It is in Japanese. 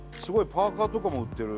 パーカーとかも売ってる。